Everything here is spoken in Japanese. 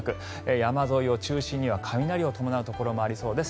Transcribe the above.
山沿いを中心に雷を伴うところもありそうです。